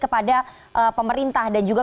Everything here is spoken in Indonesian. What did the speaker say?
kepada pemerintah dan juga